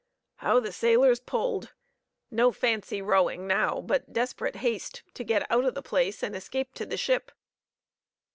How the sailors pulled! No fancy rowing now, but desperate haste to get out of the place and escape to the ship.